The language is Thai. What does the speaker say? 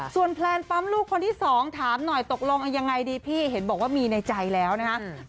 ส่วนแพลนปั๊มลูกคนที่สองถามหน่อยตกลงยังไงดีพี่เห็นบอกว่ามีในใจแล้วนะครับ